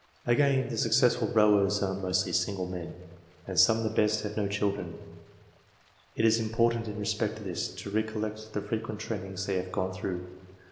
Again, the successful rowers are mostly single men, and some of the best have no children. It is important, in respect to this, to recollect the frequent trainings they have gone through.